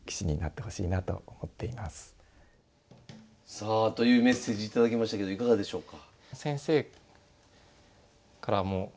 さあというメッセージ頂きましたけどいかがでしょうか？